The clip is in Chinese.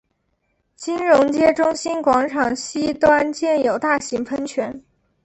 金融街中心广场西端建有大型喷泉。